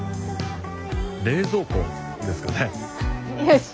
冷蔵庫ですかね。